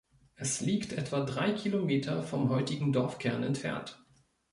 Es liegt etwa drei Kilometer vom heutigen Dorfkern entfernt.